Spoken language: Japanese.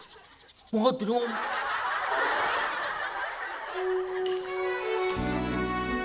分かってるもん！